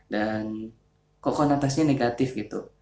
dan kokonatasnya negatif gitu